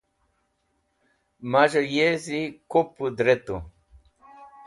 maz̃h yezi kup wudretu